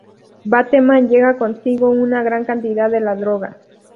Bateman lleva consigo una gran cantidad de la droga.